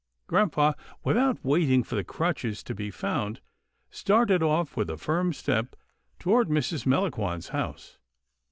Grampa, without waiting for the crutches to be found, started off with a firm step toward Mrs. Melangon's house.